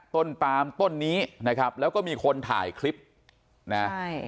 ต้นปามต้นนี้นะครับแล้วก็มีคนถ่ายคลิปนะใช่